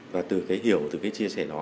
và từ cái hiểu từ cái chia sẻ đó